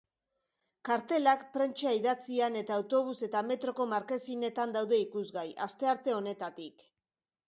Kartelak prentsa idatzian eta autobus eta metroko markesinetan daude ikusgai, astearte honetatik.